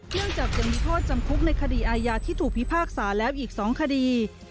เที่ยวจากจะมีทอดจำคุกในคดีอายาที่ถูกพิพากษาและอีก๒คดี